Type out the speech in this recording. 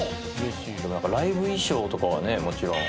ライブ衣装とかはねもちろん。